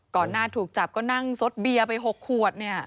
หน้าถูกจับก็นั่งซดเบียร์ไป๖ขวดเนี่ย